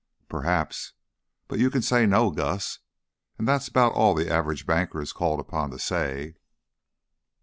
"Perhaps. But you can say 'no,' Gus, and that's about all the average banker is called upon to say."